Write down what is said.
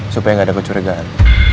supaya gak ada kecurigaan